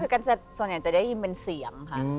เซ้นต์ส่วนอื่นจะได้ยินเป็นเสียงค่ะ